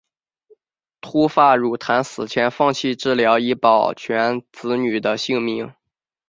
秃发傉檀死前放弃治疗以图保全子女的性命。